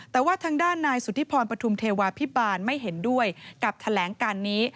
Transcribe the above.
แต่ว่าทางด้านนายสุธิพรปฐุมเทวาพิบาลไม่เห็นด้วยกับแถลงการนี้